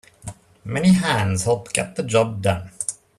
Many hands help get the job done.